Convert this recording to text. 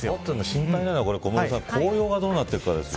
心配なのは紅葉がどうなっているかですよ。